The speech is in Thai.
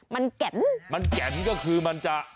มันแกนก็คือมันจะ